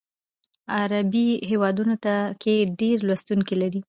عربي هیوادونو کې ډیر لوستونکي لري.